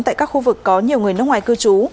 tại các khu vực có nhiều người nước ngoài cư trú